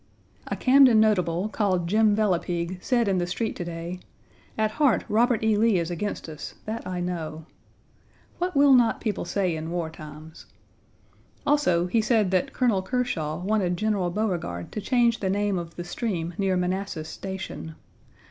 A Camden notable, called Jim Velipigue, said in the street to day: "At heart Robert E. Lee is against us; that I know." What will not people say in war times! Also, he said that Colonel Kershaw wanted General Beauregard to change the name of the stream near Manassas Station.